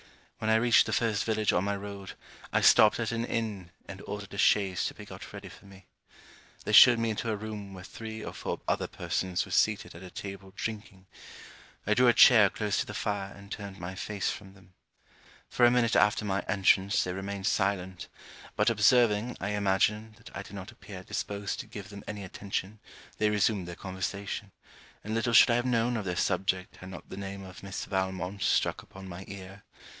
When I reached the first village on my road, I stopped at an inn, and ordered a chaise to be got ready for me. They showed me into a room where three or four other persons were seated at a table drinking. I drew a chair close to the fire and turned my face from them. For a minute after my entrance they remained silent; but observing, I imagine, that I did not appear disposed to give them any attention they resumed their conversation, and little should I have known of their subject had not the name of Miss Valmont struck upon my ear.